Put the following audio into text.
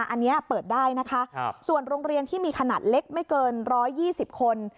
อันนี้เปิดได้นะคะส่วนโรงเรียนที่มีขนาดเล็กไม่เกิน๑๒๐คน